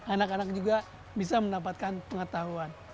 anak anak juga bisa mendapatkan pengetahuan